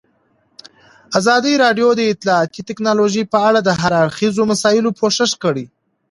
ازادي راډیو د اطلاعاتی تکنالوژي په اړه د هر اړخیزو مسایلو پوښښ کړی.